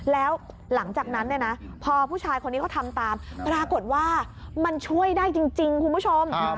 แล้วหลังจากนั้นเนี่ยนะพอผู้ชายคนนี้เขาทำตามปรากฏว่ามันช่วยได้จริงคุณผู้ชม